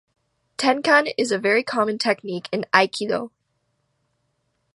Tenkan is a very common technique in aikido.